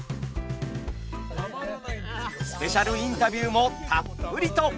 スペシャルインタビューもたっぷりと。